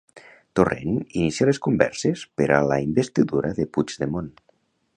Torrent inicia les converses per a la investidura de Puigdemont.